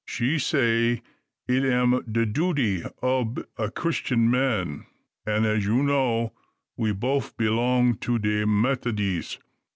She say it am de duty ob a Christyun man, an', as ye know, we boaf b'long to de Methodies.